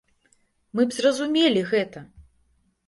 Мы б зразумелі гэта!